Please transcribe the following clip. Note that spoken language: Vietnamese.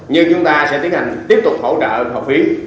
nhưng chúng ta sẽ tiến hành tiếp tục hỗ trợ học phí